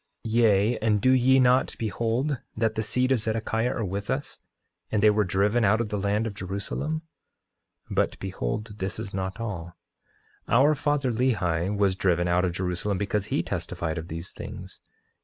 Yea, and do ye not behold that the seed of Zedekiah are with us, and they were driven out of the land of Jerusalem? But behold, this is not all— 8:22 Our father Lehi was driven out of Jerusalem because he testified of these things.